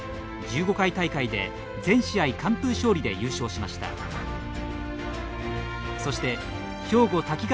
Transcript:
１５回大会で全試合完封勝利で優勝しました。